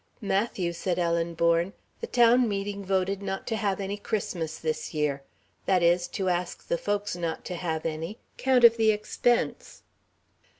"Matthew," said Ellen Bourne, "the town meeting voted not to have any Christmas this year. That is, to ask the folks not to have any 'count of expense."